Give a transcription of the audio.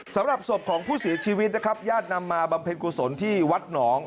สำหรับศพของผู้เสียชีวิตนะครับญาตินำมาบำเพ็ญกุศลที่วัดหนอง